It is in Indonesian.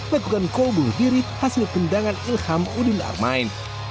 melakukan kolbur diri hasil pindangan ilham udin armain